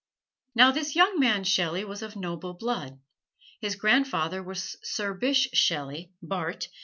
Now, this young man Shelley was of noble blood. His grandfather was Sir Bysshe Shelley, Bart.